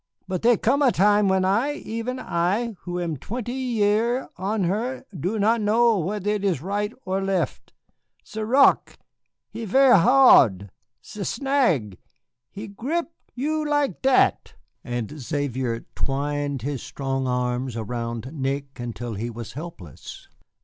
But there come a time when I, even I, who am twenty year on her, do not know whether it is right or left. Ze rock he vair' hard. Ze snag, he grip you like dat," and Xavier twined his strong arms around Nick until he was helpless.